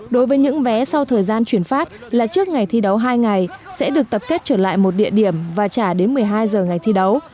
đối với những vé sau thời gian chuyển phát là trước ngày thi đấu hai ngày sẽ được tập kết trở lại một địa điểm và trả đến một mươi hai giờ ngày thi đấu